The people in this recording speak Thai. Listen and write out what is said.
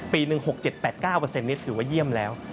ปี๑ประเทศนี้ถือว่าเยี่ยมแล้ว